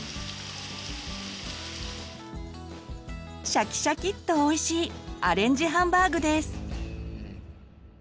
シャキシャキッとおいしいアレンジハンバーグです。